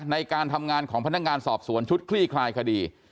ในการทำงานของพนักงานสอบสวนชุดคลี่คลายคดี